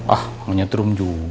ah punya strom juga